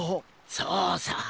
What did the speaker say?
そうさ。